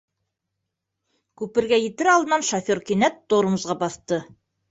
Күпергә етер алдынан шофер кинәт тормозға баҫты.